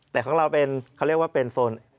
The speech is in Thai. แต่ของเราเป็นเขาเรียกว่าเป็นโซน